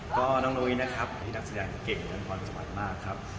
ก็น้องนุ้ยนะครับที่นักแสดงเก่งมากครับ